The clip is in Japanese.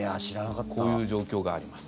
こういう状況があります。